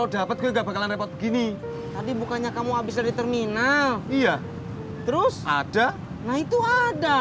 dapat nggak bakalan repot begini tadi bukannya kamu abis dari terminal iya terus ada nah itu ada